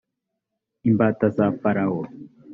imbata za farawo